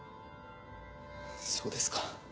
そうですか。